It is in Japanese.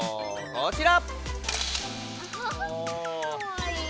こちら！